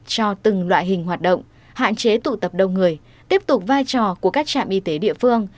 cho từng loại hình hoạt động hạn chế tụ tập đông người tiếp tục vai trò của các trạm y tế địa phương